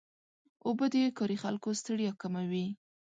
اوبه د کاري خلکو ستړیا کموي.